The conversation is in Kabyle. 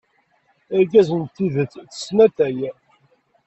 Irgazen n tidet ttessen atay.